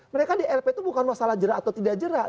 mereka di lp itu bukan masalah jerak atau tidak jerak